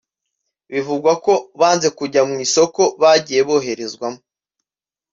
bivugwa ko banze kujya mu isoko bagiye boherezwamo